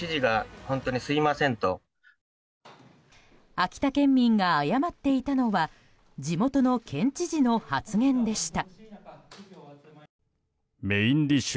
秋田県民が謝っていたのは地元の県知事の発言でした。